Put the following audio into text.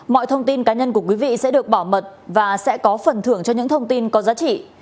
mọi thông tin cá nhân của quý vị sẽ được bảo mật và sẽ có phần thưởng cho những thông tin có giá trị